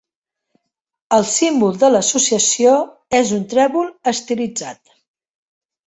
El símbol de l'associació és un trèvol estilitzat.